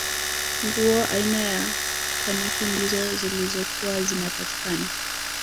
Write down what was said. nguo aina ya kaniki ndizo zilizokuwa zinapatikana